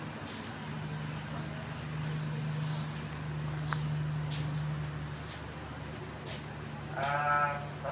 ขอบคุณครับ